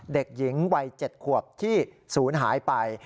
เด็กหญิงวัย๗ขวบที่ศูนย์หายไป